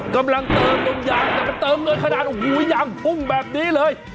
กำลังเติมตรงงานแต่เติมเงินขนาดอย่างหุ้มแบบนี้เลย